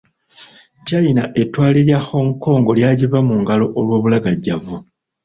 China ettwale lya Hong Kong lyagiva mu ngalo olw’obulagajjavu.